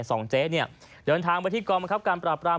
สองเจ๊เนี่ยเดินทางไปที่กองบังคับการปราบราม